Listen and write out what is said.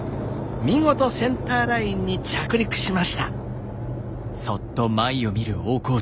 見事センターラインに着陸しました。